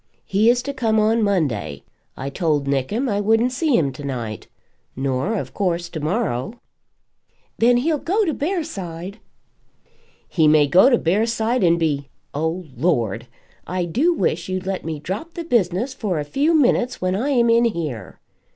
He is to come on Monday. I told Nickem I wouldn't see him to night; nor, of course, to morrow." "Then he'll go to Bearside." "He may go to Bearside and be ! Oh, Lord! I do wish you'd let me drop the business for a few minutes when I am in here.